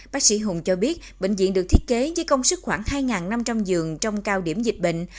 bác sĩ hùng cho biết bệnh viện được thiết kế với công sức khoảng hai năm trăm linh giường trong cao điểm dịch bệnh